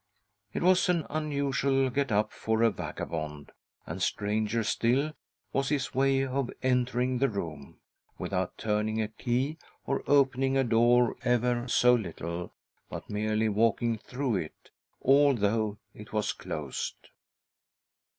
It was an unusual get up for a vagabond, and, stranger still, was his way of entering the room— without turning a key or opening a door ever so little, but merely walking through it, although it was closed.